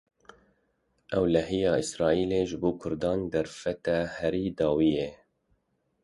Ewlehîya Îsraîlê ji bo Kurdan derfeta herî dawî ye